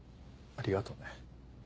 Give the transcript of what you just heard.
ありがとね。